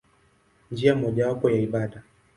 Njia mojawapo ya ibada.